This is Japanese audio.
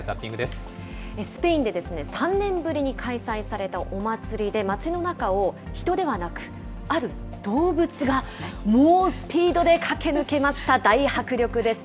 スペインでですね、３年ぶりに開催されたお祭りで街の中を人ではなく、ある動物が猛スピードで駆け抜けました、大迫力です。